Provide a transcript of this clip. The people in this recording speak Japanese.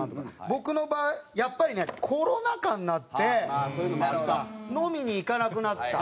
僕の場合やっぱりねコロナ禍になって飲みに行かなくなった。